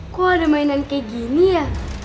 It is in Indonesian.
kok ada mainan kayak gini ya